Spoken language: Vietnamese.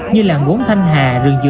như làng gốn thanh hạ